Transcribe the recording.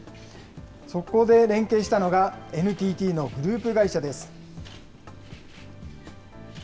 そこで連携したのが、ＮＴＴのグループ会社です。